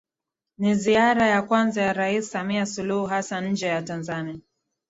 Ni ziara ya kwanza ya Rais Samia Suluhu Hassan nje ya Tanzania